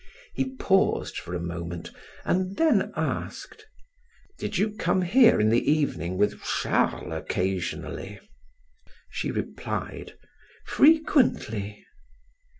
He paused for a moment and then asked: "Did you come here in the evening with Charles occasionally?" She replied: "Frequently."